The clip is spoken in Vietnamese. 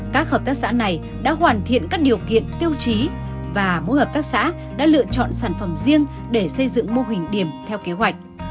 các hợp tác xã này đã hoàn thiện các điều kiện tiêu chí và mỗi hợp tác xã đã lựa chọn sản phẩm riêng để xây dựng mô hình điểm theo kế hoạch